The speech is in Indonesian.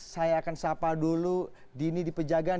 saya akan sapa dulu dini di pejagan